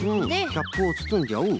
キャップをつつんじゃう。